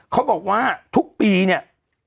เขาบอกว่าทุกปีเนี่ย